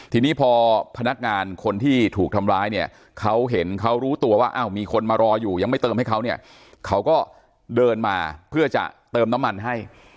ทีนี้พอพนักงานคนที่ถูกทำร้ายเนี่ยเขาเห็นเขารู้ตัวว่าอ้าวมีคนมารออยู่ยังไม่เติมให้เขาเนี่ยเขาก็เดินมาเพื่อจะเติมน้ำมันให้